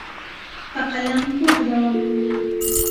په قلم پوهه دوام مومي.